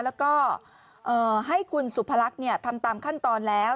แล้วก็ให้คุณสุพรรคทำตามขั้นตอนแล้ว